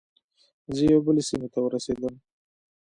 زه یوې بلې سیمې ته ورسیدم.